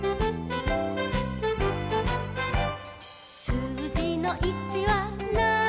「すうじの１はなーに」